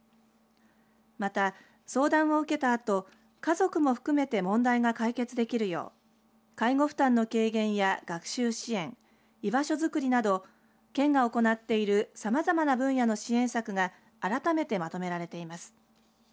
また、相談を受けたあと家族も含めて問題が解決できるよう介護負担の軽減や学習支援居場所づくりなど県が行っているさまざまな分野の支援策が改めてまとめられています。